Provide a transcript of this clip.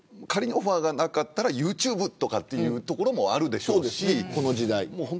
仮にオファーがなければユーチューブとかいうところもあるでしょうしこの時代ね。